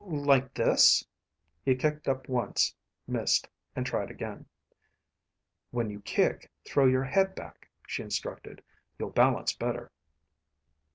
"Like this?" He kicked up once, missed, and tried again. "When you kick, throw your head back," she instructed. "You'll balance better."